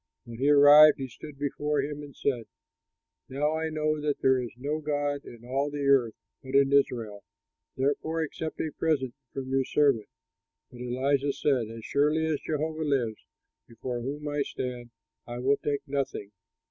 When he arrived, he stood before him and said, "Now I know that there is no god in all the earth, but in Israel; therefore accept a present from your servant." But Elisha said, "As surely as Jehovah lives, before whom I stand, I will take nothing."